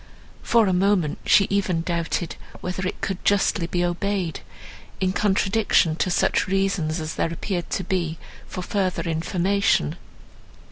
For a moment, she even doubted, whether it could justly be obeyed, in contradiction to such reasons as there appeared to be for further information.